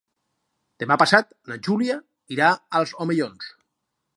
Demà passat na Júlia irà als Omellons.